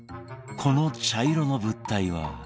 この茶色の物体は。